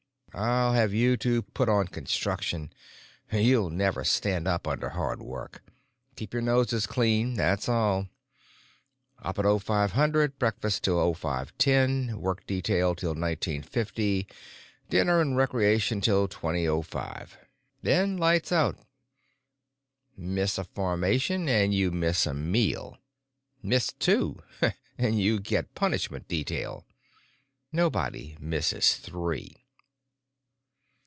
I'll have to put you two on construction; you'll never stand up under hard work. Keep your noses clean, that's all. Up at 0500; breakfast till 0510; work detail till 1950; dinner and recreation till 2005; then lights out. Miss a formation and you miss a meal. Miss two, and you get punishment detail. Nobody misses three."